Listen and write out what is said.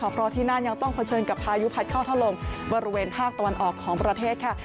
เพราะที่นั่นยังต้องเผชิญกับพายุพัดเข้าถล่มบริเวณภาคตะวันออกของประเทศค่ะ